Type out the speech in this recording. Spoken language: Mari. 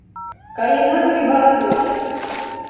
Каена кӱвар гоч!